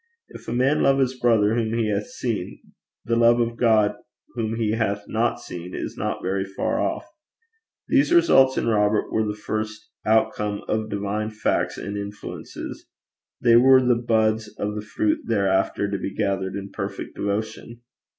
If a man love his brother whom he hath seen, the love of God whom he hath not seen, is not very far off. These results in Robert were the first outcome of divine facts and influences they were the buds of the fruit hereafter to be gathered in perfect devotion.